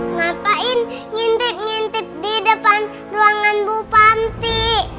ngapain ngintip ngintip di depan ruangan bu panti